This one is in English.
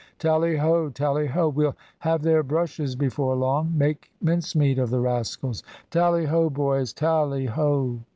Tally ho! tally ho! We'll have their brushes before long. Make mincemeat of the rascals! Tally ho, boys tally ho!"